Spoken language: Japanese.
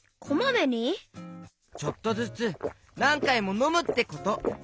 ちょっとずつなんかいものむってこと。